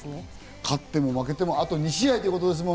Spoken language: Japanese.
勝っても負けてもあと２試合。